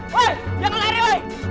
woy jangan lari woy